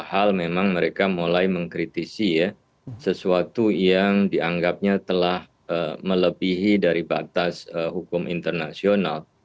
hal memang mereka mulai mengkritisi ya sesuatu yang dianggapnya telah melebihi dari batas hukum internasional